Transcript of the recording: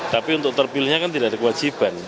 tapi untuk terpilihnya kan tidak ada kewajiban